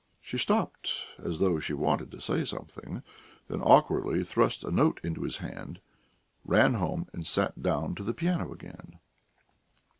She stopped as though she wanted to say something, then awkwardly thrust a note into his hand, ran home and sat down to the piano again.